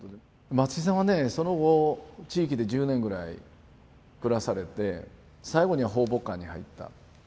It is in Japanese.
松井さんはねその後地域で１０年ぐらい暮らされて最後には抱樸館に入った。